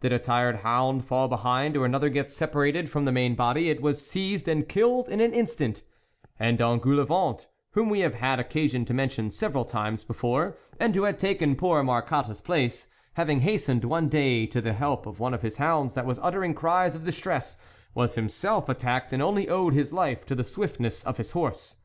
Did a tired hound fall behind, or another get separated from the main body, it was seized and killed in an instant, and Engoulevent, whom we have had THE WOLF LEADER 101 occasion to mention several times before and who had taken poor Marcotte's place, having hastened one day to the help of one of his hounds that was uttering cries of distress, was himself attacked and only owed his life to the swiftness of his horse.